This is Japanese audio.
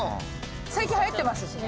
最近はやってますしね。